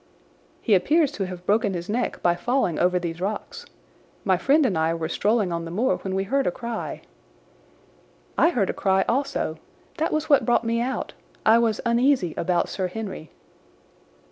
"He appears to have broken his neck by falling over these rocks. My friend and I were strolling on the moor when we heard a cry." "I heard a cry also. That was what brought me out. I was uneasy about Sir Henry."